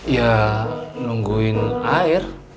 ya nungguin air